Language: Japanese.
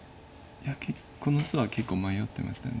いやこの図は結構迷ってましたね。